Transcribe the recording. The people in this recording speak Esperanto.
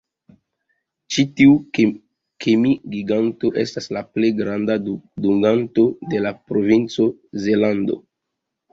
Ĉi tiu kemi-giganto estas la plej granda dunganto de la provinco Zelando.